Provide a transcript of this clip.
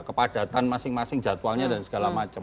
kepadatan masing masing jadwalnya dan segala macam